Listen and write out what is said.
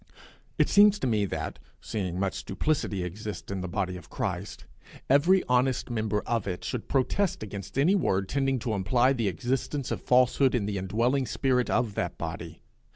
It seems to me that, seeing much duplicity exists in the body of Christ, every honest member of it should protest against any word tending to imply the existence of falsehood in the indwelling spirit of that body.